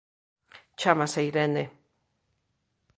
_Chámase Irene.